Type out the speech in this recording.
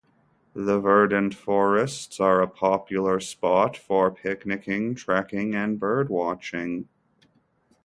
The verdant forests are a popular spot for picnicking, trekking and bird-watching.